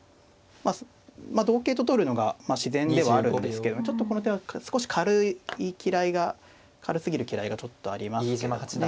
同桂と取るのが自然ではあるんですけどちょっとこの手は少し軽いきらいが軽すぎるきらいがちょっとありますけどね。